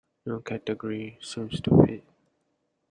No category seems to fit.